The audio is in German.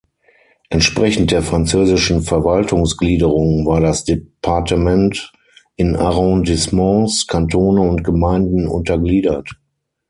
Entsprechend der französischen Verwaltungsgliederung war das Departement in Arrondissements, Kantone und Gemeinden untergliedert.